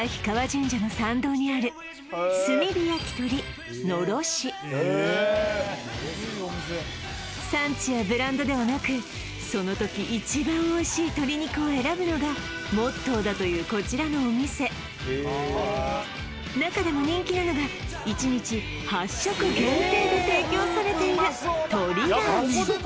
神社の参道にある産地やブランドではなくその時一番おいしい鶏肉を選ぶのがモットーだというこちらのお店中でも人気なのが１日８食限定で提供されている鶏らーめん